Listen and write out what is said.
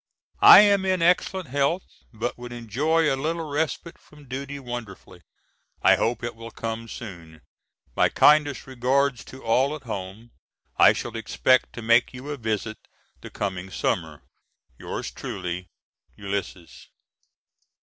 I am in excellent health but would enjoy a little respite from duty wonderfully. I hope it will come soon. My kindest regards to all at home. I shall expect to make you a visit the coming summer. Yours truly, ULYSSES.